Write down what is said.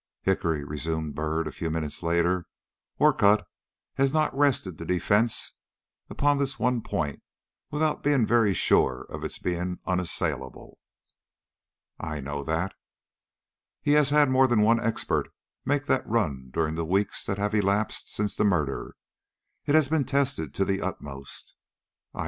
"Hickory," resumed Byrd, a few minutes later, "Orcutt has not rested the defence upon this one point without being very sure of its being unassailable." "I know that." "He has had more than one expert make that run during the weeks that have elapsed since the murder. It has been tested to the uttermost."